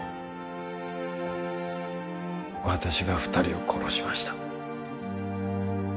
私が２人を殺しました